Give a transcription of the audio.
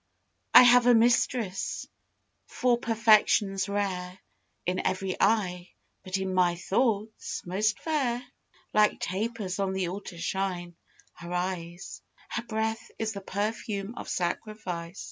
I have a mistress, for perfections rare In every eye, but in my thoughts most fair. Like tapers on the altar shine her eyes; Her breath is the perfume of sacrifice.